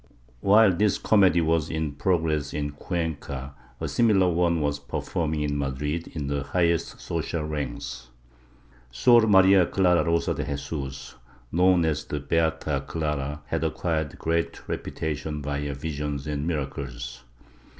^ While this comedy was in progress in Cuenca, a similar one was performing in Madrid, in the highest social ranks, Sor Maria Clara Rosa de Jesus, known as the Beata Clara, had acquired great reputation by her visions and miracles.